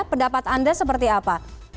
pendapat anda seperti apa